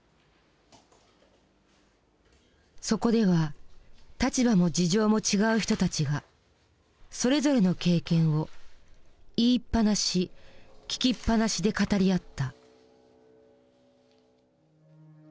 そこでは立場も事情も違う人たちがそれぞれの経験を「言いっぱなし聞きっぱなし」で語り合った。